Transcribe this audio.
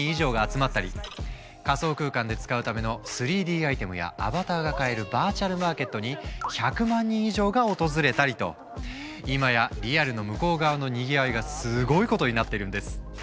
仮想空間で使うための３Ｄアイテムやアバターが買えるバーチャルマーケットにいまやリアルの向こう側のにぎわいがすごいことになっているんです。